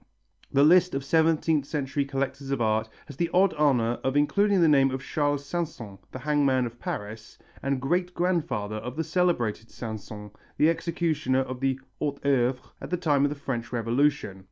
The list of seventeenth century collectors of art has the odd honour of including the name of Charles Sanson, the hangman of Paris, and great grandfather of the celebrated Sanson, the executioner of the hautes œuvres at the time of the French Revolution.